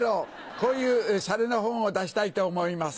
こういうシャレの本を出したいと思います。